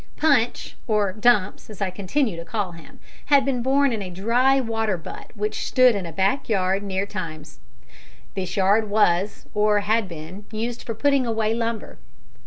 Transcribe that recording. Punch, or Dumps, as I continued to call him, had been born in a dry water butt which stood in a back yard near the Thames. This yard was, or had been, used for putting away lumber.